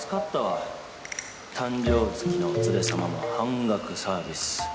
誕生月のお連れ様も半額サービス。